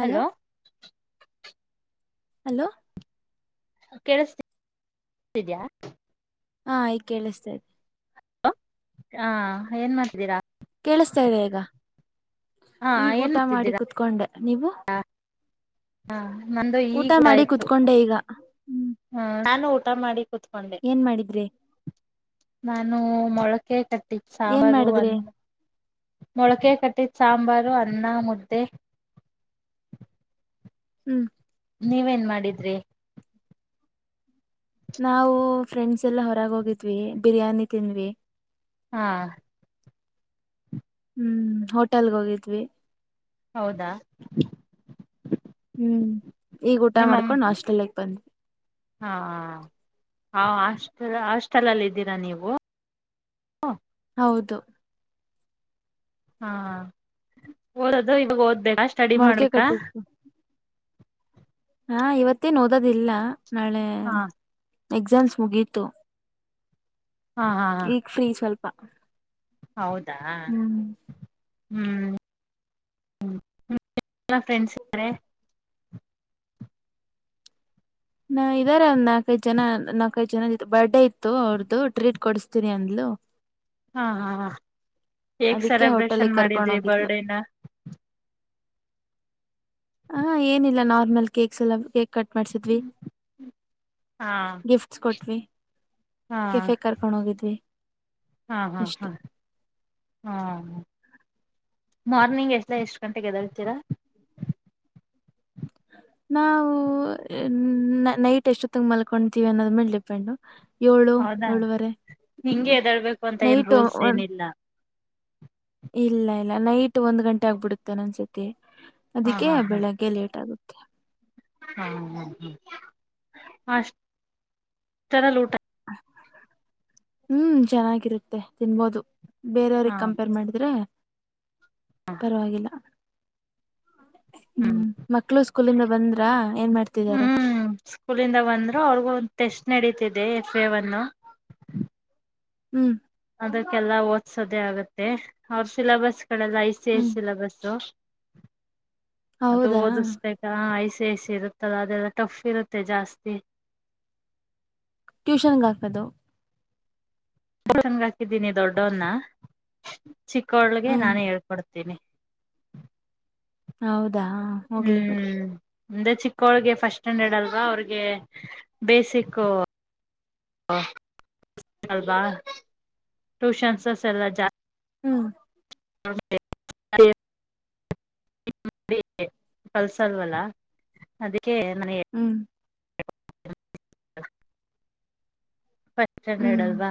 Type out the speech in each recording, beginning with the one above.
Hello. Hello. ಕೇಳಿಸ್ತಿ ತಿದ್ಯಾ. ಹಾ ಈಗ್ ಕೇಳಿಸ್ತಾಯಿದೆ. ಅ ಆ ಏನ್ ಮಾಡ್ತಿರ್ದಿರ. ಕೇಳಿಸತಾ ಇದೆ ಈಗ. ಹಾ ಈಗ ಏನ್ ಊಟ ಮಾಡಿ ಮಾಡ್ತಿದ್ದೀರಾ ಕುತ್ಕೊಂಡೆ. ನೀವು. ಹಾ. ನಂದು ಊಟ ಈಗ ಊಟ್ ಮಾಡಿ ಆಯ್ತು ಕುೂತ್ಕೊಂಡೆ ಈಗ ಹ್ಮ್ ಹಾ ನಾನ್ ಕೂಡ ಟಮಾಡಿ. ಕುತ್ಕೊಂಡೆ. ಏನ್ ಮಾಡಿದ್ರಿ ನಾನು ಮೊ ಕೇಕ್. ಟಿಪ್ ಏನ್ ಸಾಂಮಾರು ಮಾಡಿದ್ರಿ ಒಂದ ಮೊಳಕೆ ಕಟ್ಟಿದ್ ಸಾಂಬಾರು ಅನ್ನ ಮುದ್ದೆ. ಹ್ಮ್. ನೀವೇನ್ ಮಾಡಿದ್ರಿ. ನಾವು ಫ್ರೆಂಡ್ಸ್ ಎಲ್ಲ ಹೊರಗ್ ಹೋಗಿದ್ವಿ ಬಿರಿಯಾನಿ ತಿಂದ್ವಿ. ಹಾ. ಹ್ಮ್ ಹೋಟೆಲ್ಗ್ ಹೋಗಿದ್ವಿ. ಹೌದಾ. ಹ್ಮ್. ಈಗ್ ಊಟ ನಿಮ್ಮಮ್ಮ ಮಾಡ್ಕೊಂಡು ಆಸ್ಟಲಿಗ್ ಬಂದ್ವಿ. ಹಾ ಹಾ ಹಸ್ಟೆಲ್ ಹಾಸ್ಟೆಲಲ್ಲಿದ್ದೀರಾ ನೀವು. ಹೌದು. ಹಾ ಓದದು ಇವಾಗ ಓದ್ಬೇಕು. ಮೊಳಕೆ [inaudible] ಕಟ್ಟಿತ್ತು ಹಾ ಇವತ್ತೇ ಏನು ಓದೋದಿಲ್ಲ. ನಾಳೆ. ಹಾ ಎಕ್ಸಾಮ್ಸ್ ಮುಗೀತು. ಹಾ ಹಾ ಈಗ ಫ್ರೀ ಸ್ವಲ್ಪ. ಪ ಹೌದಾ. ಹ್ಮ್ ಫ್ರೆಂಡ್ಸ್ರೆ, ನಾ ಇದ್ದಾರೆ ಒಂದ್ ನಾಲ್ಕೈದು ಜನ, ನಾಲ್ಕೈದು ಜನ, ಬರ್ಡೇ ಇತ್ತು ಅವ್ರ್ದು ಟ್ರೀಟ್ ಕೊಡಿಸತೀನಿ ಅಂದ್ಲು. ಹಾ ಹಾ ಹೆಗ್ ಅದಕ್ಕೆ ಸೆಲೆಬ್ರೇಷನ್ ಹೋಟೆಲ್ಗ್ ಕರ್ಕೊಂಡ್ ಮಾಡಿದ್ರಿ ಹೋಗಿದ್ಲು ಬರ್ಡೇನಾ. ಹಾ ಏನಿಲ್ಲ ನಾರ್ಮಲ್ ಕೇಕ್ಸ್ ಎಲ್ಲ ಕಕ್ ಕಟ್ ಮಾಡಸಿದ್ವಿ, ಹಾ ಗಿಫ್ಟ್ಸ್ ಕೊಟ್ವಿ, ಹಾ ಕೆಫೆ ಕರ್ಕೊಂಡ್ ಹೋಗಿದ್ವಿ, ಹಾ, ಹಾ, ಹಾ ಅಷ್ಟೆ ಹ್ಮ. ಮಾರ್ನಿಂಗ್ ಎಷ್ಟ ಎಷ್ಟು ಗಂಟೆಗೆ ಎದ್ದೇಳ್ತೀರಾ. ನಾವು ನೈಟ್ ಎಷ್ಟೊತಿಗೆ ಮಲ್ಕೊತೀವಿ ಅನ್ನೋದ್ಮೇಲೆ ಡಿಪೆಂಡು. ಏಳು, ಹೌದಾ ಏಳುವರೆ ಹಿಂಗೆ ಎದಳ್ಬೇಕು ಅಂತ ಏನ್ ನೈಟ ರೂಲ್ಸ್ ಒ- ಏನಿಲ್ಲ ಇಲ್ಲ ಇಲ್ಲ ನೈಟ್ ಒಂದ್ ಗಂಟೆ ಆಗ್ಬಿಡುತ್ತೆ ಒಂದೊಂದ್ ಸತಿ. ಹಾ ಅದಕ್ಕೆ ಬೆಳಿಗ್ಗೆ ಲೇಟ್ ಆಗುತ್ತೆ. ಹ ಹ ಅಷ್ಟರ ಊಟ ಹ್ಮ್ ಚೆನ್ನಾಗಿರುತ್ತೆ ತಿನ್ಬೋದು. ಹಾ ಬೇರೆಯವರಿಗೆ ಕಂಪೇರ್ ಮಾಡಿದ್ರೆ, ಪರವಾಗಿಲ್ಲ. ಹ್ಮ್ ಮಕ್ಳು. ಸೂ ಕುಲಿಂದ ಬಂದ್ರಾ. ಏನ್ ಮಾಡ್ತಿದ್ದಾರೆ ಹ್ಮ್ ಸ್ಕೂಲಿಂದ ಬಂದ್ರು. ಅವ್ರಿಗೂ ಟೆಸ್ಟ್, ನಡೀತಿದೆ ಎಫಎ ಒನ್ ಹ್ಮ್ ಅದಕ್ಕೆಲ್ಲಾ ಓದ್ಸೋದೇ ಆಗತ್ತೆ. ಅವ್ರ ಸಿಲೆಬಸ್. ಗಳಲ್ಲ ಐ ಸಿ ಐ ಹ್ಮ್ ಸೆಲೆಬಸ್. ಅದು ಹೌದಾ ಓದಿಸ್ಬೇಕಾ ಆಯ ಸೇಸ ಇರುತ್ತಲ್ಲ ಅದೆಲ್ಲ ಟಫ್ ಇರುತ್ತೆ ಜಾಸ್ತಿ. ಟ್ಯೂಷನ್ ಗ ಹಾಕೋದು. ಟ್ಯೂಷನ್ಗ ಹಾಕಿದ್ದೀನಿ ದೊಡ್ಡವನ್ನ. ಚಿಕ್ಕೋಳ್ಳಗೆ ಹ್ಮ್ ನಾನೇ ಹೇಳ್ಕೊಡ್ತೇನೆ [unintelligible] ಹೌದು ಅದಾ ಹೋಗಲಿ ಪಡಿ ಅಂದ್ರೆ ಚಿಕ್ಕೋಳ್ಗೆ ಫಸ್ಟ್ ಸ್ಟ್ಯಾಂಡರ್ಡ್ ಅಲ್ವಾ ಅವ್ರಿಗೆ ಬೇಸಿಕ್ ಅಲ್ವಾ ಟೂಷನ್ ಎಲ್ಲ ಜಾಸ್ತಿ ಹ್ಮ್ ಕಳಸಲ್ವಲ್ಲ ಅದೇ ಕೆ ಮನೆ ಹ್ಮ್ ಹ್ಮ್ ಚನ್ನಡಲ್ವಾಾ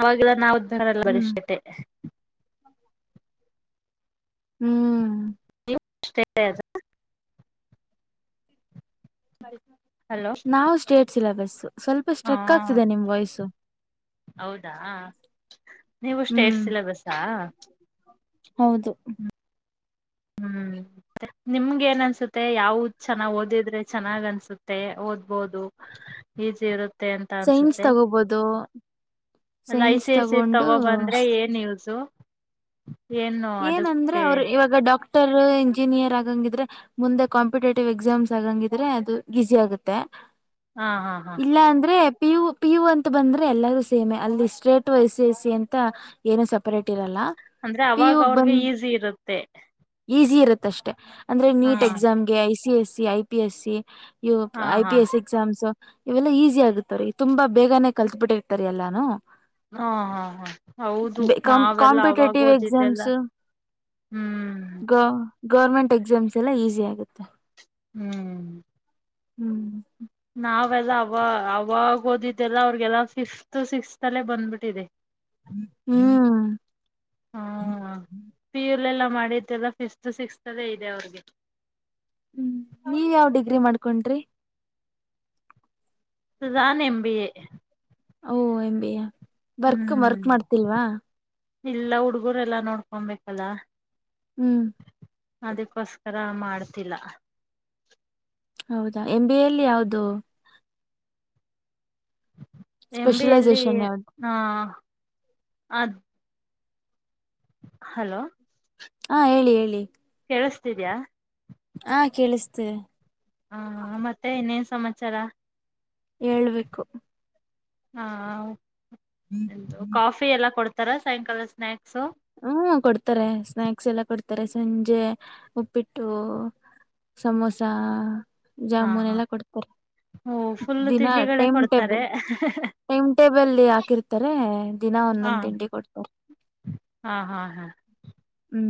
ಅವವಾಗಿಲ್ಲ ನಾವವು ರಲ್ಲ ಹ್ಮ್ ಪರಿಷಕ್ಕೆೆ ಹ್ಮ್ ಅಷ್ಟೇ ಅ ಹಲೋ ನಾವು ಸ್ಟೇಟ್ಸ್ ಇಲ್ಲ ಬಸ್ ಸ್ವಲ್ಪ ಹಾ ಸ್ಟ್ರಕ್ ಆಗ್ತಿದೆ ನಿಮ್ ವಯಸ್ಸು ಹೌದಾ ನೀವುಷ್ಟೇ ಏಟ್ ಹ್ಮ್ ಸಿಲೆಬಸ ಹೌದು ಹ್ಮ್ ನಿಮ್ಗೆ ಏನ್ ಅನ್ಸುತ್ತೆ ಯಾವ ಚೆನ್ನಾಗ್ ಓದಿದ್ರೆ ಚೆನ್ನಾಗ್ ಅನ್ಸುತ್ತೆ ಓದ್ಬೋದು ಈಸಿ ಇರುತ್ತೆ ಅಂತ ಸೈನ್ಸ್ ಅನ್ಸುತ್ತೆ ತಗೋಬೋದು ಅಲ್ಲಿ I science C I C ತಗೊಂಡು ತಗೋ ಬಂದ್ರೆ ಏನ್ಸು [inaudible] ಏನಂದ್ರೆ ಅವರು ಇವಾಗ ಡಾಕ್ ಡಾಕ್ಟರ್ ಇಂಜಿನಿಯರ್ ಆಗಂಗಿದ್ರೆ ಮುಂದೆ ಕಾಂಪಿಟೇಟಿವ್ ಎಕ್ಸಾಮ್ಸ್ ಆಗಂಗಿದ್ರೆ ಅದು ಗಸಿ ಆಗುತ್ತೆ ಹಾ ಹಾ ಹಾ ಇಲ್ಲ ಅಂದ್ರೆ ಪಿ ಯು ಪಿ ಯು ಅಂತ ಬಂದ್ರೆ ಎಲ್ಲರೂ ಸೇಮೆ ಅಲ್ಲಿ state I C A C ಅಂತ ಏನು ಸಪರೇಟ್ ಇರಲ್ಲ. ಅಂದ್ರೆ ಪಿ ಅವಾಗ ಯು ಅವ್ರಿಗೆ ಬಂದ್ ಈಸಿ ಇರುತ್ತೆ. ಈಸಿ ಇರುತ್ತಷ್ಟೆ ಅಂದ್ರೆ ಹಾ ನೀಟ್ ಎಕ್ಸಾಮ ಗೆ I C S- C I P S C E ಹಾ ಐ ಹಾ ಪಿ ಎಸ್ ಎಕ್ಸಾಮ್ಸ್. ಇವೆಲ್ಲ ಈಸಿ ಆಗುತ್ತ ರೀ ತುಂಬಾ ಬೇಗನೆ ಕಲ್ತ್ ಬಿಟ್ಟಿರ್ತಾರ ಎಲ್ಲಾನು ಹಾ ಹಾ ಹಾ ಹೌದು ನಾವೆಲ್ಲ ಅವಾಗ ಓದಿದ್ ತಮ್ಸ್ ಗ ಗೌರ್ಮೆಂಟ್ ಎಕ್ಸಾಮ್ಸ್ ಎಲ್ಲ ಈಸಿ ಆಗುತ್ತೆ. ಹ್ಮ್ [inaudible] ಹ್ಮ್ ನಾವೆಲ್ಲ ಅವ ಅವಾಗ ಓದಿದ್ದೆಲ್ಲ ಅವ್ರಿಗೆಲ್ಲ ಫಿಫ್ತ್ ಸಿಕ್ಸ್ತ್ ಅಲ್ಲೇ ಬಂದ್ಬಿಟ್ಟಿದೆ. ಹ್ಮ್ ಹ್ಮ ಪಿ ಯು ಲೆಲ್ಲ ಮಾಡಿದ್ದೆಲ್ಲ ಫಿಫ್ತ್ ಸಿಕ್ಸ್ತ್ ಅಲ್ಲೆ ಇದೆ ಅವ್ರಿಗೆ. ಹ್ಮ್ ನೀವ ಯಾವ್ ಡಿಗ್ರಿ ಮಾಡ್ಕೊಂಡ್ರಿ? ನಾನ್ M B A O M B ಯಾ ವರ್ಕ್ ಹ್ಮ್ ವರ್ಕ್ ಮಾಡ್ತಿಲ್ವಾ? ಇಲ್ಲ ಹುಡ್ಗರೆಲ್ಲಾ ನೋಡ್ಕೊಂಬೇಕಲ್ಲ. ಹ್ಮ್ ಅದುಕ್ಕೋಸ್ಕರ ರ ಮಾಡ್ತಿಲ್ಲ. ಹೌದಾ ಎಂ ಬಿ ಎಲ್ಲಿ ಯಾವ್ದು? ಎಂ ಬಿ ಎಲ್ಲಿ ಸ್ಪೆಷಲೈಸೇಷನ್ ಯಾವ್ದು ಹಾ ಆ ಹಲೋ ಹಾ ಹೇಳಿ ಹೇಳಿ ಕೇಳಿಸ್ತಿದಿಯಾ? ಹಾ ಕೇಳಿಸ್ತಿದೆ ಹಾ ಮತ್ತೆ ಇನ್ನೇನ್ ಸಮಾಚಾರ ಹೇಳ್ಬೇಕು ಹಾ ಕಾಫಿ ಎಲ್ಲ ಕೊಡ್ ತರ ಸಾಯಂಕಾಲ ಸ್ನಾಕ್ಸ್? ಹ್ಮ ಕೊಡ್ತಾರೆ ಸ್ನಾಕ್ಸ್ ಎಲ್ಲ ಕೊಡ್ತಾರೆ ಸಂಜೆ ಉಪ್ಪಿಟ್ಟು, ಸಮೋಸ ಹಾ ಜಾಮೂನ್ ಹಾ ಎಲ್ಲಾ ಕೊಡ್ ಕಡ್ ಓ ಫುಲ್ ದಿನ ತಿಂಡಿಗಳೇ ಟೈಮ್ ಕೊಡ್ತಾರೆ ಟೇಬಲ್ ಟೈಮ್ ಟೇಬಲ್ ಹಾಕಿರ್ತಾರೆ ದಿನಾ ಹಾ ಒಂದೊಂದು ತಿಂಡಿ ಕೊಡ್ತಾರೆ. ಹ ಹ್ಮ್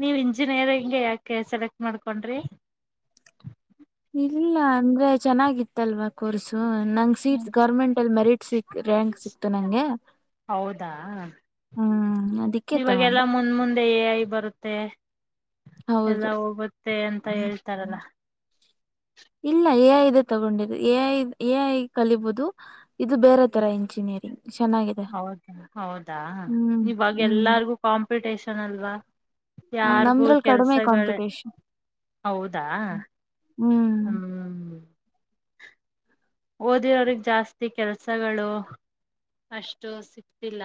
ನೀವ ಇಂಜಿನಿಯರಿಂಗ್ಗೆ ಯಾಕೆ ಸೆಲೆಕ್ಟ್ ಮಾಡ್ಕೊಂಡ್ರಿ ಇಲ್ಲ ಅಂದ್ರೆ ಚೆನ್ನಾಗಿತ್ತಲ್ವಾ ಕೋರ್ಸು ನಂಗೆ ಸೀಟ್ ಗೌರ್ಮೆಂಟ್ ಅಲ್ಲಿ ಮೆರಿಟ್ ಸಿ ರಂಕ್ ಸಿಕ್ತು ನಂಗೆ ಹೌದಾ ಹ್ಮ್ ಅದಕ್ಕೆ ಇವಾಗೆಲ್ಲಾ ತಗೊಂಡೆ ಮುಂದ್ ಮುಂದೆ ಎ ಐ ಬರುತ್ತೆ ಎಲ್ಲ ಹೌದು ಹೋಗುತ್ತೆ ಅಂತ ಹೇಳ್ತಾರಲ್ಲ ಇಲ್ಲ ಎ ಐ ಇದದೆ ತಗೊಂಡಿದೆ ಎ ಐ ಎ ಐ ಕಲಿಬಹುದು ಇದು ಬೇರೆ ತರ ಇಂಜಿನಿಯರಿಂಗ್ ಚೆನ್ನಾಗಿದೆ ಹೌದಾ ಹೌದಾ ಹ್ಮ್ ಇವಾಗ ಹ್ಮ್ ಎಲ್ಲಾರ್ಗು ಕಾಂಪಿಟಷನ್ ಅಲ್ವಾ ಯಾರಿಗೂ ನಮ್ದ್ರಲ್ಲಿ ಕಡಿಮೆ ಕೆಲ್ಸಗಳ ಕಾಂಪಿಟೇಷನ್ ಹೌದಾ ಹ್ಮ್ ಹ್ಮ ಹ್ಮ್ ಓದಿರೋರಗ್ ಜಾಸ್ತಿ ಕೆಲ್ಸಗಳು ಅಷ್ಟು ಸಿಕ್ತಿಲ್ಲ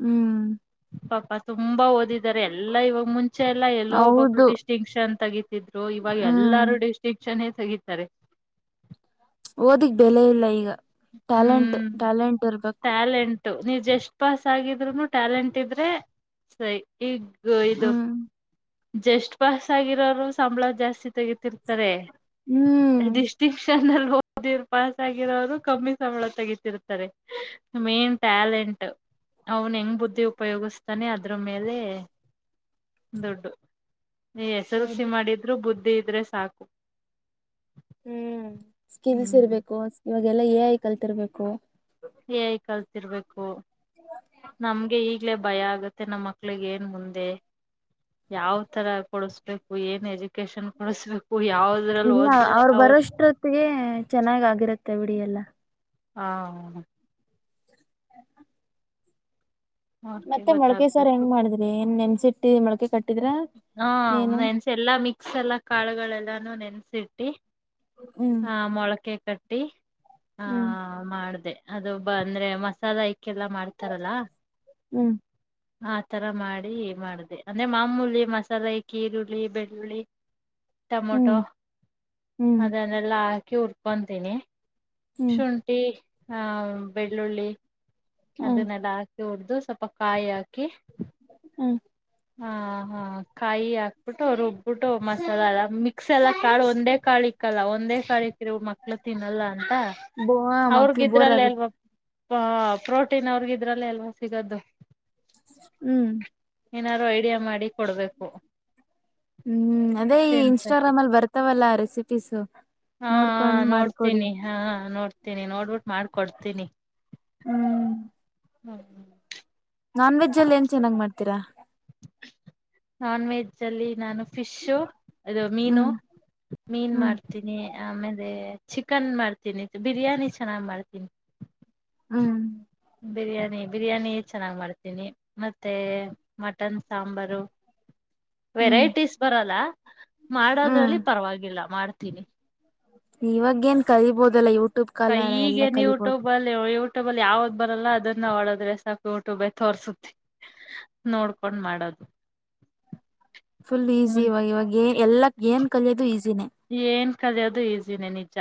ಹ್ಮ್ ಪಾಪ ತುಂಬಾ ಓದಿದ್ ಇದಾರೆ ಎಲ್ಲಾ ಇವಾಗ ಮುಂಚೆ ಎಲ್ಲ ಎಲ್ಲೋ ಒಬ್ಬೊಬ್ರು ಹೌದು ಡಿಸ್ಟಿಂಕ್ಷನ್ ತಗ [inaudible] ಇದ್ರು ಇವಾಗ ಹ್ಮ್ ಎಲ್ಲಾರೂ ಡಿಸ್ಟಿಂಕ್ಷನ್ ತತಾರೆ ಓದಿಗೆ ಬೆಲೆ ಇಲ್ಲ ಈಗ ಟ್ಯಾಲೆಂಟ್ ಟ್ಯಾಲೆಂಟ್ ಇರ್ಬೇಕು ನೀ ಜಸ್ಟ್ ಪಾಸ್ ಆಗಿದ್ರುನು ಟ್ಯಾಲೆಂಟ್ ಇದ್ರೆ ಸರಿ ಈಗ ಗೈದ ಹ್ಮ್ [inaudible] ಜಸ್ಟ್ ಪಾಸ್ ಆಗಿರೋರು ಸಂಬಳ ಜಾಸ್ತಿ ತೆಗತಿರ್ತಾರೆ ಹ್ಮ್ ಡಿಸ್ಟಿಂಕ್ಷನ್ ಹದಿರ್ ಪಾಸ್ ಆಗಿರೋರು [inaudible] ಕಮ್ಮಿ ಸಂಬಳ ತೆಗತಿರ್ತಾರೆ ಮೇನ್ ಟ್ಯಾಲೆಂಟ್ ಅವ್ನು ಹೆಂಗ್ ಬುದ್ಧಿ ಉಪಯೋಗಿಸ್ತಾನೆ ಅದ್ರ ಮೇಲೆ ದುಡ್ಡು ಎಸ್ ಎಲ್ ಸಿ ಹೌದು ಮಾಡಿದ್ರು ಬುದ್ಧಿ ಇದ ಇದಿದ್ರೆ ಸಾಕು ಹ್ಮ್ ಸ್ಕಿಲ್ಸ್ ಹ್ಮ್ ಇರ್ಬೇಕು ಇವಾಗೆಲ್ಲ ಎ ಐ ಕಲ್ತಿರ್ಬೇಕು ಎ ಐ ಕಲ್ತಿರ್ಬೇಕು ನಮ್ಗೆ ಈಗ ಲೇ ಭಯ ಆಗತ್ತೆ ನಮ್ಮ ಮಕ್ಳಿಗೆ ಏನ್ ಮುಂದೆ ಯಾವ್ ತರ ಕೊಡಸ್ಬೇಕು ಏನ್ ಎಜು ಇಲ್ಲ ಓದ್ರೆ ಅವ್ರು ಅವ್ರ ಬರೋಷ್ಟ್ರೊತ್ತಿಗೆ ಚೆನ್ನಾಗಿಗಿರುತ್ತೆ ಆಗುತ್ತೆ ಬಿಡಿಯಲ್ಲ ಹಾ ಅವ್ರಿಗೆ ಮತ್ತೆ ಮೊಳ್ಳುಕೆ ಸಮಬಾರ್ ಗೊತ್ತಾಗ್ಬೇಕು ಹೆಂಗ ಮಾಡಿದ್ರಿ ಏನ್ ನೆನ್ಸಿ ಮ [inaudible] ಹಾ ನೆನ್ಸ ಎಲ್ಲಾ ಮಿಕ್ಸ್ ಎಲ್ಲ ಕಾಳುಗಳೆಲ್ಲಾನು ನೆನ್ಸ ನೆನ್ಸಿಟ್ಟಿ ಹ್ಮ್ ಹಾ ಮೊಳಕೆ ಕಟ್ಟಿ ಹಾ ಹ್ಮ್ ಮಾಡ್ದೆ ಅದೊಬ್ಬ ಅಂದ್ರೆ ಮಸಾಲ ಇಕ್ಕೆಲ್ಲಾ ಮಾಡ್ತಾರಲ್ಲ ಹ್ಮ್ ಆತರ ಮಾಡಿ ಮಾಡಿದ್ದೆ ಅಂದ್ರೆ ಮಾಮೂಲಿ ಮಸಾಲೆ ಈರುಳ್ಳಿ ಬೆಳ್ಳುಳ್ಳಿ ಟಮೊಟೊ ಹ್ಮ್ ಹ್ಮ್ ಅದನ್ನೆಲ್ಲ ಹಾ ಕೂರ್ ಬಂತೀನಿ [inaudible] ಹ್ಮ್ ಶುಂಟಿ ಹಾ ಬೆಳ್ಳುಳ್ಳಿ ಹ್ಮ್ ಅದನ್ನೆಲ್ಲ ಆ ಉಡ್ದು ಸ್ವಲ್ಪ ಕಾಯಿಾಕಿ ಹ್ಮ್ ಹ ಹಾ ಕಾಯಿ ಹಾಕ್ಬಿಟ್ಟು ರುಬ್ಬಿಟ್ಟು ಮಸಾಲ ಎಲ್ಲ ಮಿಕ್ಸ್ ಎಲ್ಲ ಕಾಳು ಒಂದೇ ಕಾಳ ಇಕ್ಕಲ್ಲ ಒಂದೇ ಕಾಳಿ ಇ ಮಕ್ಳು ತಿನ್ನಲ್ಲ ಅಂತ ಬೋ ಮಕ್ಳು ಬೋರ್ ಅವ್ರಗಿದ್ರಲ್ಲ ಅಲ್ವ ಆಗುತ್ತೆ ಹ ಪ್ರೋಟೀನ್ ಅವ್ರಗ ಇದ್ರಲ್ಲ ಎಲ್ಲ ಸಿಗದ್ದು ಹ್ಮ್ ಏನಾದಾರು ಐಡಿಯಾ ಮಾಡಿ ಕೊಡ್ಬೇಕು ಹ್ಮ್ ಅದೇ ಈ ತಿನ್ಸಕ್ಕೆ ಇನ್ಸ್ಟಾಗ್ರಾಮ್ ಅಲ್ಲಿ ಬರ್ತವಲ್ಲ ಅ ರೀ ಸಿ ಪಿಸು ಹಾ ನೋಡ್ತೀನಿ ಹಾ ನೋಡ್ತಿ ತೀನಿ ನೋಡ್ಬಿಟ್ಟು ಮಾಡಕೊಡ್ತೀನಿ ಹ್ಮ್ ಹ್ಮ್ ಹ್ಮ್ ನಾನ್ ವಜ್ ಅ ಏನ್ ಚೆನ್ನಾಗ್ ಮಾಡ್ೀರಾ ನಾನ್ ವೆಜ್ ಅಲ್ಲಿ ನಾನು ಫಿಶು ಅದು ಮೀನು ಹ್ಮ್ ಮೀನು ಹ್ಮ್ ಮಾಡ್ತೀನಿ ಆಮೇಲೆ ಚಿಕನ್ ಮಾಡ್ತೀನಿ ಬಿರಿಯಾನಿ ಚೆನ್ನಾಗ್ ಮಾಡ್ತೀನಿ ಹ್ಮ್ ಬಿರಿಯಾನಿ ಬಿರಿಯಾನಿ ಚೆನ್ನಾಗಿ ಮಾಡ್ತೀನಿ ಮತ್ತೆ ಮಟನ್ ಸಾಂಬಾರು ಹ್ಮ್ ವೆರೈಟೀಸ್ ಬರಲ್ಲ ಹ್ಮ್ ಮಾಡೋದ್ರಲ್ಲಿ ಪರವಾಗಿಲ್ಲ ಮಾಡ್ [unintelligible] ಇವಾಗ ಏನ್ ಕಲಿಬೋದಲ್ಲ ಊ ಕೈಗೆ ನೀವುಟು ಬಲ್ ಯೂಟ್ಯೂಬಲ್ಲಿ ಯಾವ್ದ್ ಬರಲ್ಲ ಅದನ್ನ ಹೊಡದ್ರೆ ಸಾಕು ಯೂಟ್ಯೂಬೇ ತೋರ್ಸುತ್ತೆ ನೋಡ್ಕೊಂಡ್ ಮಾಡೋದು ಫುಲ್ ಈಸಿ ಮು ಇವಾಗ ಇವಾಗ ಏ ಎಲ್ಲಕ್ ಏನ್ ಕಲಿಯೋದು ಈಸಿನೇ ಏನ್ ಕಲಿಯೋದು ಈಸಿನೇ ನಿಜ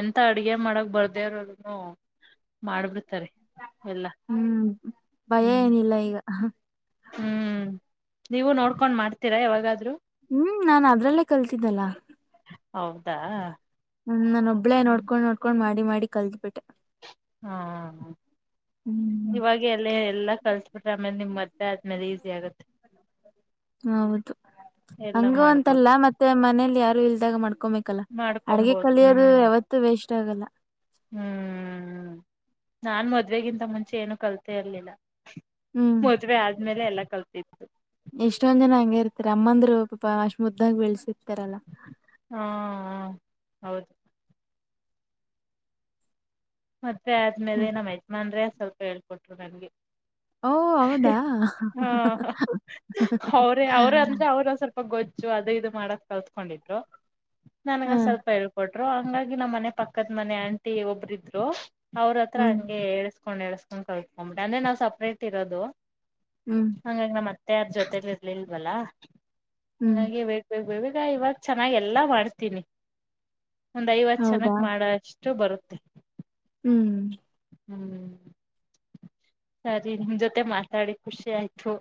ಎಂತ ಅಡ್ಗೆ ಮಾಡಕ್ ಬರ್ದೇರದನು ಮಾಡ್ಬಿಟ್ಟ ಹ್ಮ್ ಭಯ ಹ್ಮ್ ಏನಿಲ್ಲ ಈಗ ಹಹ ಹ್ಮ್ ನೀವು ನೋಡ್ಕೊಂಡ್ ಮಾಡ್ತೀರಾ ಯಾವಾಗಾದ್ೂ ಹ್ಮ್ ನಾನ್ ಅದ್ರಲ್ಲೇ ಕಲ್ತಿದ್ದಲ್ಲ ಹೌದಾ ನ ಒಬ್ಳೇ ನೋಡ್ಕೊಂಡು ನೋಡ್ಕೊಂಡ್ ಮಾಡಿ ಡಿ ಮಾಡಿ ಕಲ್ದ ಬಿಟ್ಟೆ ಹಾ ಹ್ಮ್ ಇವಾಗ ಎಲ್ಲ ಎಲ್ಲ ಕಸ ಆಮೇಲೆ ನಿಮ್ ಮತ್ತೆ ಆದ್ಮೇಲೆ ತ್ಯಾಗತ್ ಹೌದು ಹಂಗ ಅಂತಲ್ಲ ಮಾಡ್ಬೋದು ಮತ್ತೆ ಮನೇಲಿ ಯಾರು ಇಲ್ದಾಗ ಮಾಡ್ಕೊಬೇಕಲ್ಲ ಅಡ್ಗೆ ಮಾಡ್ಕೊಬೋದು ಕಲಿಯೋದು ಹ್ಮ್ ಯಾವತ್ತುೂ ವೇಸ್ಟ್ ಆಗಲ್ಲ ಹ್ಮ್ ನಾನ್ ಮದ್ವೆಗಿಂತ ಮುಂಚೆ ಏನು ಕಲ್ತೆ ಇರ್ಲಿಲ್ಲ ಹ್ಮ್ ಮದ್ವೆ ಆದ್ಮೇಲೆ ಎಲ್ಲ ಕಲ್ಪತ್ತು ತಮ್ಮಂದ್ರು ಪಾಪಾ ಅಷ್ಟ ಮುದ್ದಾಗ ಬೆಳ್ಸಿರ್ತಾರಲ್ಲ ಹಾ ಹೌದು ಹ ಆದ್ಮೇಲೆ ನಮ ಯಜಮಾನ್ರೆ ಸ್ವಲ್ಪ ಹೇಳ್ಕೊಟ್ರು ನನ್ಗೆ ಓ ಹೌದಾ ಹಾ ಚ್ಚು ಅದ ಇದು ಮಾಡಕ್ ಕಲ್ತ್ಕೊಂಡಿದ್ರು ನನ್ಗ ಸ್ವಲ್ಪ ಹೇಳ್ಕೊಟ್ ಹಂಗಾಗಿ ನಮ್ಮ್ ಮನೆ ಪಕ್ಕದ ಮನೆ ಆಂಟಿ ಒಬ್ಬ್ರ ಇದರು ಹಲೋ ಅವ್ರ ಹತ್ರ ಹ್ಮ್ ಹಂಗೆ ಹ ಕಕೊಂಡ್ ಎಳ್ಸ್ಕೊಂಡ್ ಕಲ್ತ್ಕೊಂಡ್ಬಿ ಅ್ರೆ ನಾವು ಸಪ್ರೇಟ್ ಇರೋದು ಹ್ಮ್ ಹಂಗಂಗ ನ ಮತ್ತ ಯಾರ್ ಜೊತೆಲಿ ಇರ್ಲಿಲ್ವಲ್ಲಾ ಹ್ಮ್ ಹೆ ಬೇಕ್ ಬೇ ಬೇಬೇಕು ಈಗ ಇವಾಗ ಚೆನ್ನಾಗ್ ಎಲ್ಲಾ ಮಾಡ್ತೀನಿ ಒಂದ್ ಐವತ್ತು ಹೌದಾ ಜನಕ್ ಮಾಡ ಅಷ್ಟೆ ಅಷ್ಟು ಬರುತ್ತೆ ಹ್ಮ್ ಹ್ಮ್ ಸರಿ ನಿಮ್ ಜೊತೆ ಮಾತಾಡಿ ಖುಷಿ ಆಯ್ತು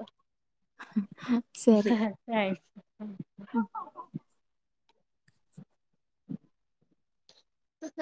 ಹ ಸರಿ ಥ್ಯಾಂಕ್ಸ್ ಹ್ಮ